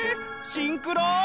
シンクロ！